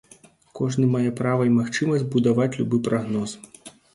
Кожны мае права і магчымасць будаваць любы прагноз.